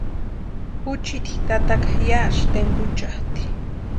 Juchiti tataka yásï tempuchaati.